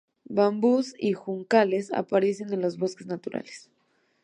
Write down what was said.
Bambúes y juncales aparecen en los bosques naturales.